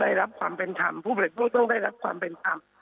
ได้รับความเป็นธรรมผู้บริโภคต้องได้รับความเป็นธรรม